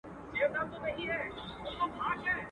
بزه له لېوه تښتېده، د قصاب کره ئې شپه سوه.